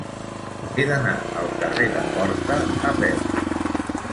He d'anar al carrer de Porta a peu.